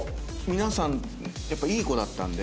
皆さんやっぱいい子だったんで。